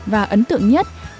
và ấn tượng nhất là